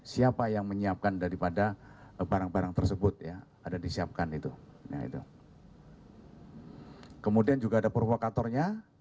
sedang dicari ya